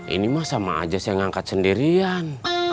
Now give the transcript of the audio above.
ini mah sama aja saya ngangkat sendirian